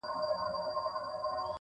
هوسۍ مخكي په ځغستا سوه ډېره تونده،